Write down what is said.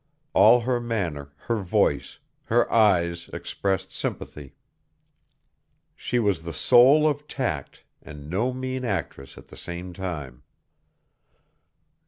All her manner, her voice, her eyes expressed sympathy. She was the soul of tact and no mean actress at the same time.